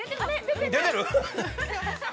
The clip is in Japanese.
◆出てる？